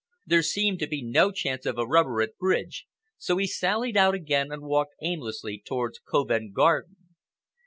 There seemed to be no chance of a rubber at bridge, so he sallied out again and walked aimlessly towards Covent Garden.